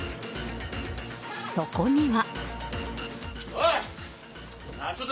そこには。